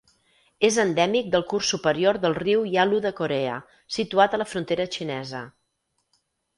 És endèmic del curs superior del riu Yalu de Corea, situat a la frontera xinesa.